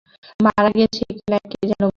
মারা গেছে না কি যেনো বলল!